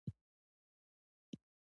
پوهه ذهن ته ازادي ورکوي